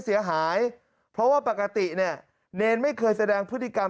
เสียหายเพราะว่าปกติเนี่ยเนรไม่เคยแสดงพฤติกรรม